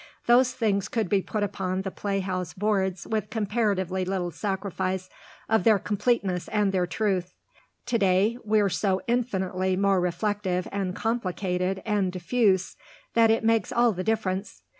Those things could be put upon the playhouse boards with comparatively little sacrifice of their completeness and their truth. To day we're so infinitely more reflective and complicated and diffuse that it makes all the difference.